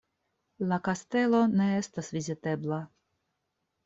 La kastelo ne estas vizitebla.